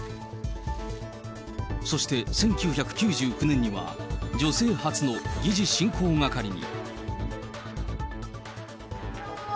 そして１９９９年には、女性初の議事進行係に。